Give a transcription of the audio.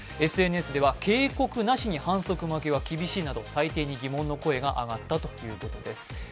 ＳＮＳでは警告なしに反則負けは厳しいなど、裁定に疑問の声が上がったということです。